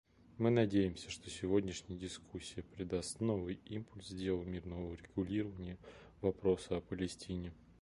Мы надеемся, что сегодняшняя дискуссия придаст новый импульс делу мирного урегулирования вопроса о Палестине.